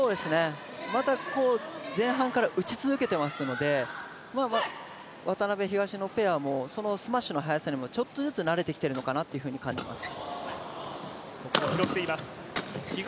また前半から打ち続けてますので渡辺・東野ペアもそのスマッシュの速さにもちょっとずつ慣れてきているのかなと感じます。